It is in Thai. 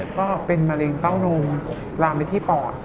ก็เป็นมะเร็งเต้านมลามไปที่ปอด